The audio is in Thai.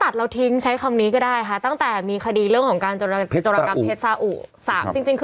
นี่นะใช้คำนี้ก็ได้ค่ะตั้งแต่เรื่องของจรกรรมเพชรสาอุ